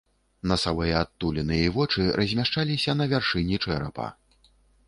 Насавыя адтуліны і вочы размяшчаліся на вяршыні чэрапа.